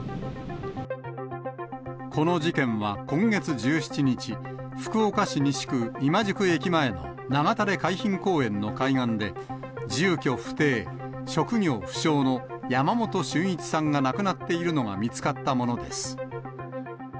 この事件は今月１７日、福岡市西区今宿駅前の長垂海浜公園の海岸で、住居不定、職業不詳の山本駿一さんが亡くなっているのが見つかったものです。